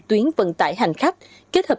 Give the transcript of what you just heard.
tuyến vận tải hành khách kết hợp